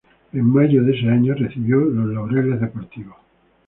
En mayo de ese año, recibió los Laureles Deportivos.